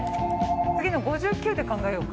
次の５９で考えようか。